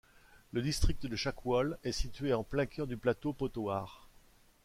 Le district de Chakwal est situé en plein cœur du plateau Pothohar.